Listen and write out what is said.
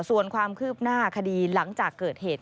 ส่วนความคืบหน้าคดีหลังจากเกิดเหตุ